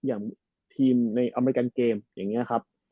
อย่างทีมในอเมริกันเกมอย่างนี้ครับ